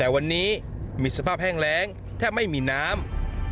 แต่วันนี้มีสภาพแห้งแรงแทบไม่มีน้ำ